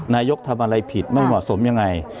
นายกทำอะไรผิดไม่เหมาะสมยังไง